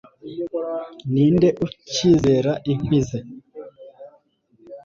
Ninde ukizera inkwi ze